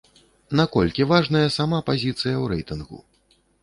На колькі важная сама пазіцыя ў рэйтынгу?